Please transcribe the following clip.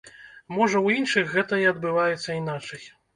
Можа, у іншых гэтае адбываецца іначай.